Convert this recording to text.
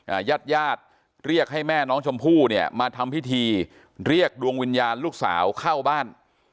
ญาติญาติเรียกให้แม่น้องชมพู่เนี่ยมาทำพิธีเรียกดวงวิญญาณลูกสาวเข้าบ้าน